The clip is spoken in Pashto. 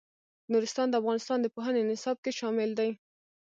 نورستان د افغانستان د پوهنې نصاب کې شامل دي.